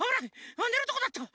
あねるとこだった。